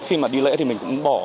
khi mà đi lễ thì mình cũng bỏ